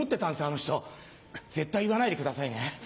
あの人絶対言わないでくださいね。